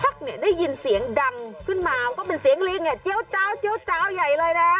สักนี่ได้ยินเสียงดังขึ้นมาก็เป็นเสียงลิงเนี่ยเจ๋วเจ๋วใหญ่เลยนะ